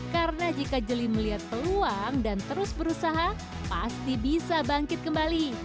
karena jika jeli melihat peluang dan terus berusaha pasti bisa bangkit kembali